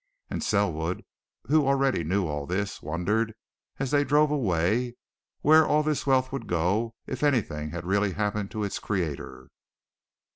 And Selwood, who already knew all this, wondered, as they drove away, where all this wealth would go if anything had really happened to its creator.